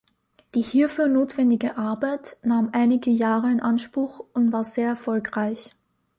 Die hierfür notwendige Arbeit nahm einige Jahre in Anspruch und war sehr erfolgreich.